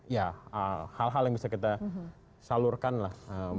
ya hal hal yang bisa kita salurkan lah